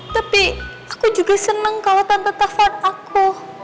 tapi aku juga senang kalau tante aku